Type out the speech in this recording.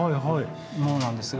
ものなんですが。